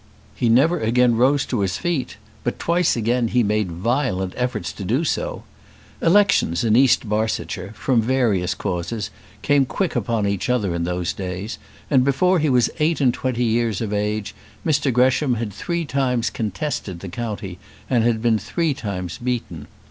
He never again rose to his feet; but twice again he made violent efforts to do so. Elections in East Barsetshire, from various causes, came quick upon each other in those days, and before he was eight and twenty years of age Mr Gresham had three times contested the county and been three times beaten.